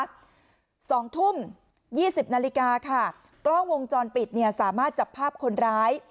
สองทุ่มยี่สิบนาฬิกาค่ะกล้องวงจรปิดเนี่ยสามารถจับภาพคนร้าย